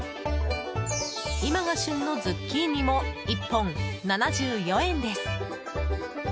今が旬のズッキーニも１本７４円です。